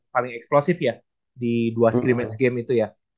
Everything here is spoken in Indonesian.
paling eksplosif ya di dua scrimmage game itu ya